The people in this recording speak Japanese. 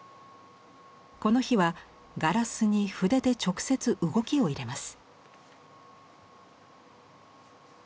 この日はガラスに筆で直接動きを入れます。